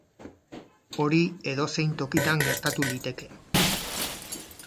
Hori edozein tokitan gertatu liteke.